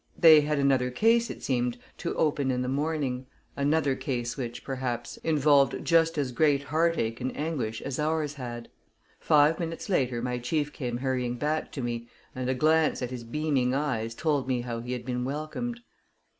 They had another case, it seemed, to open in the morning another case which, perhaps, involved just as great heartache and anguish as ours had. Five minutes later my chief came hurrying back to me, and a glance at his beaming eyes told me how he had been welcomed.